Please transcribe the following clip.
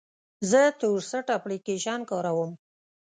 زه تورسټ اپلیکیشن کاروم.